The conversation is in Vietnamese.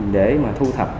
để mà thu thập